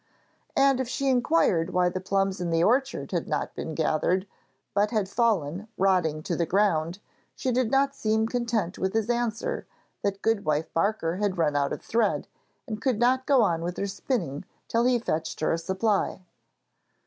And if she inquired why the plums in the orchard had not been gathered, but had fallen rotting to the ground, she did not seem content with his answer that good wife Barker had run out of thread, and could not go on with her spinning till he fetched her a supply.